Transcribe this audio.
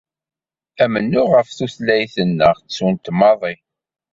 Amennuɣ ɣef tutlayt-nneɣ ttun-t maḍi.